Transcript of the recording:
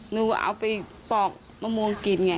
หนูก็เอาไปปอกมะม่วงกินไง